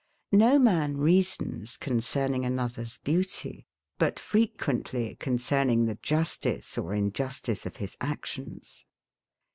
No man reasons concerning another's beauty; but frequently concerning the justice or injustice of his actions.